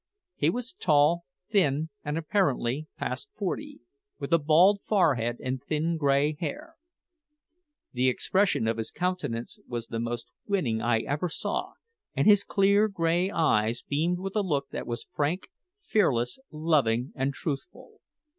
He was tall, thin, and apparently past forty, with a bald forehead and thin grey hair. The expression of his countenance was the most winning I ever saw, and his clear grey eyes beamed with a look that was frank, fearless, loving, and truthful.